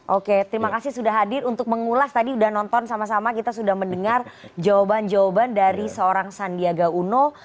oke terima kasih sudah hadir untuk mengulas tadi sudah nonton sama sama kita sudah mendengar jawaban jawaban dari seorang sandiaga uno